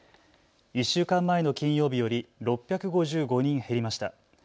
１週間前の金曜日より６５５人減りました。